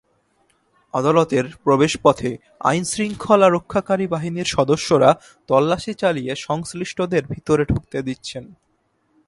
আদালতের প্রবেশপথে আইনশৃঙ্খলা রক্ষাকারী বাহিনীর সদস্যরা তল্লাশি চালিয়ে সংশ্লিষ্টদের ভেতরে ঢুকতে দিচ্ছেন।